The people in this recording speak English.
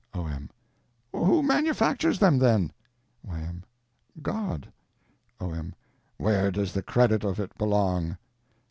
O.M. Who manufactures them, then? Y.M. God. O.M. Where does the credit of it belong?